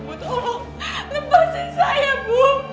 buat allah lepasin saya bu